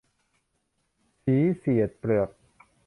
สีเสียดเปลือก